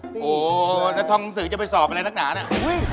โอ้โฮแล้วทองสื่อจะไปสอบอะไรนักหนานะ